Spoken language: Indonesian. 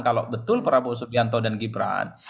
kalau betul prabowo subianto dan gibran